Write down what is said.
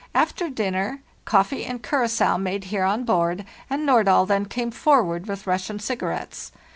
After dinner coffee and curacoa made here on board, and Nordahl then came forward with Russian cigarettes.